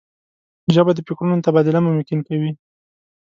ژبه د فکرونو تبادله ممکن کوي